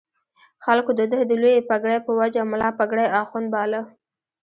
خلکو د ده د لویې پګړۍ په وجه ملا پګړۍ اخُند باله.